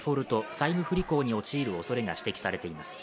債務不履行に陥るおそれが指摘されています。